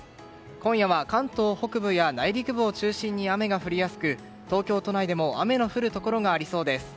今夜は関東北部や内陸部を中心に雨が降りやすく、東京都内でも雨の降るところがありそうです。